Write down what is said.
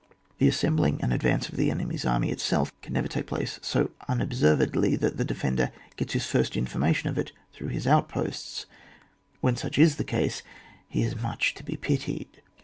The assem bling and advance of the enemy's army itself can never take place so unobservedly that the defender gets his first informa tion of it through his outposts ; when such is the case he is much to be pitied.